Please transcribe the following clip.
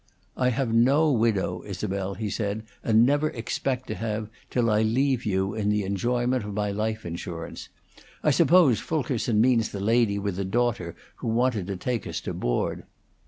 "I have no widow, Isabel," he said, "and never expect to have, till I leave you in the enjoyment of my life insurance. I suppose Fulkerson means the lady with the daughter who wanted to take us to board."